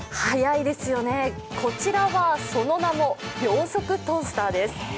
早いですよね、こちらはその名も秒速トースターです。